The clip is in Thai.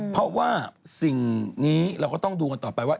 เพราะว่าสิ่งนี้เราก็ต้องดูกันต่อไปว่า